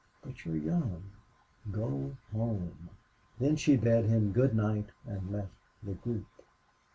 But you're young.... GO HOME!" Then she bade him good night and left the group.